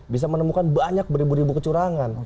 bisa menemukan banyak beribu ribu kecurangan